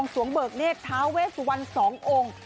สวงเบิกเนศทาเวศวันสององค์